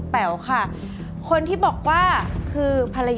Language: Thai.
สามารถรับชมได้ทุกวัย